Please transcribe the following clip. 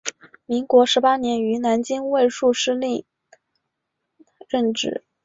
民国十八年于南京卫戍司令任职。